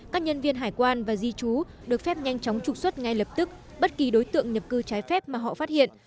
các nhân viên hải quan và di trú được phép nhanh chóng trục xuất ngay lập tức bất kỳ đối tượng nhập cư trái phép mà họ phát hiện